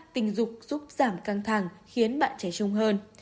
tình dục giúp giảm căng thẳng khiến bạn trẻ trung hơn